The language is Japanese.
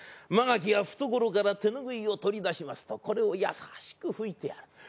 曲垣は懐から手拭いを取り出しますとこれを優しく拭いてやる。